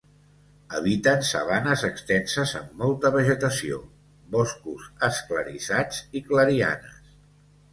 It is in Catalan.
Habiten sabanes extenses amb molta vegetació, boscos esclarissats i clarianes.